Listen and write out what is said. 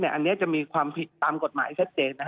อันนี้จะมีความผิดตามกฎหมายชัดเจน